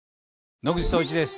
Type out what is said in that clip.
野口聡一です。